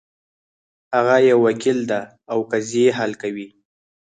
هغه یو وکیل ده او قضیې حل کوي